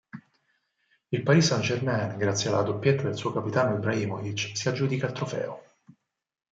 Il Paris Saint-Germain, grazie alla doppietta del suo capitano Ibrahimović, si aggiudica il trofeo.